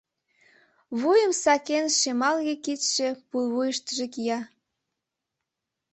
Вуйым сакен, шемалге кидше пулвуйыштыжо кия.